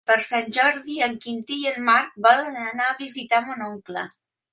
Per Sant Jordi en Quintí i en Marc volen anar a visitar mon oncle.